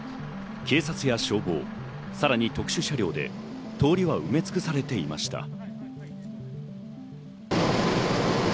警察や消防、さらに特殊車両で通りは埋め尽くされていました。